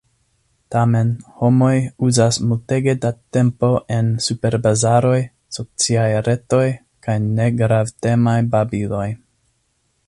Tamen, homoj uzas multege da tempo en superbazaroj, sociaj retoj, kaj negravtemaj babiloj.